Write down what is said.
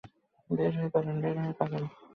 বের হয়ে পাবেন।